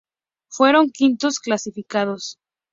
Fueron quintos clasificados.